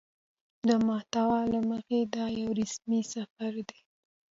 د محتوا له مخې دا يو رسمي سفر دى